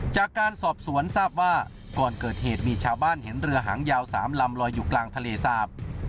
จากการสอบสวนทราบว่าก่อนเกิดเหตุมีชาวบ้านเห็นเรือหางยาว๓ลำลอยอยู่กลางทะเลสาบ